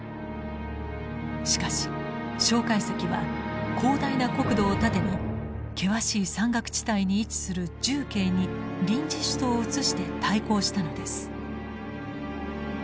しかし介石は広大な国土を盾に険しい山岳地帯に位置する重慶に臨時首都をうつして対抗したのです。